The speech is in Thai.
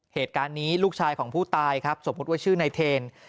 เหตุการณ์นี้ลูกชายของผู้ตายครับสมมุติว่าชื่อนายเทน